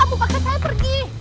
kenapa kamu paksa saya pergi